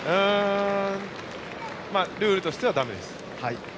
ルールとしてはだめです。